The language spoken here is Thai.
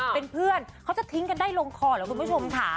เป็นเพื่อนเขาจะทิ้งกันได้ลงคอเหรอคุณผู้ชมค่ะ